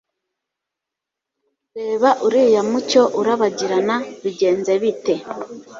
reba uriya mucyo urabagirana bigenze bite